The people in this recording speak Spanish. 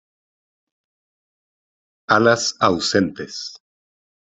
Alas ausentes.